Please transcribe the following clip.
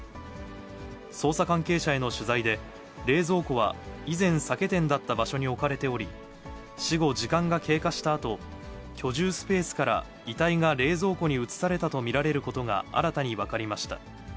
捜査関係者への取材で、冷蔵庫は以前、酒店だった場所に置かれており、死後、時間が経過したあと、居住スペースから遺体が冷蔵庫に移されたと見られることが、新たに分かりました。